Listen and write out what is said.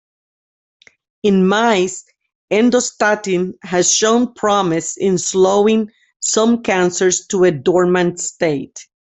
In mice, endostatin has shown promise in slowing some cancers to a dormant state.